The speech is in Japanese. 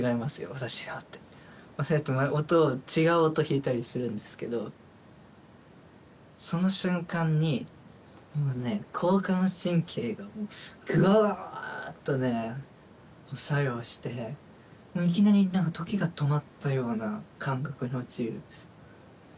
私だってそうやって違う音を弾いたりするんですけどその瞬間にもうね交感神経がグワっとね作用していきなり何か時が止まったような感覚に陥るんですよ